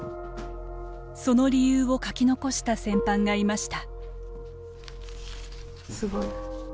その理由を書き残した戦犯がいました。